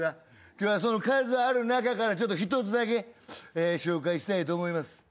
今日はその数ある中からちょっと１つだけ紹介したいと思います。